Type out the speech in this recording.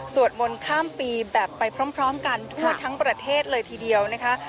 มนต์ข้ามปีแบบไปพร้อมกันทั่วทั้งประเทศเลยทีเดียวนะคะ